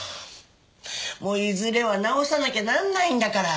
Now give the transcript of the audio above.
もういずれは直さなきゃならないんだから。